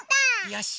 よし！